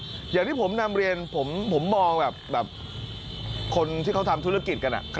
อย่างที่ผมนำเรียนผมมองแบบคนที่เขาทำธุรกิจกัน